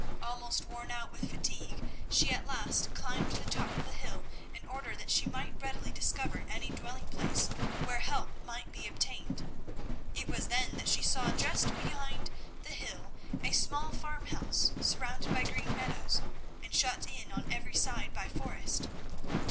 Almost worn out with fatigue, she at last climbed to the top of the hill in order that she might more readily discover any dwelling place where help might be obtained. It was then that she saw just behind the hill a small farmhouse surrounded by green meadows, and shut in on every side by forest.